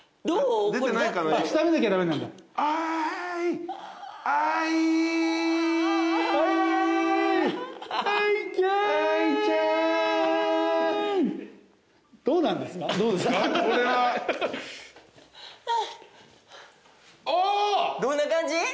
どんな感じ？